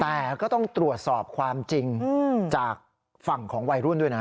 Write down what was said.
แต่ก็ต้องตรวจสอบความจริงจากฝั่งของวัยรุ่นด้วยนะ